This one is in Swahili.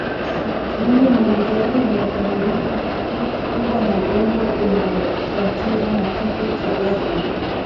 Ngombe mwenye zaidi ya miaka miwili hukumbwa na ugonjwa unaofuatiwa na kifo cha ghafla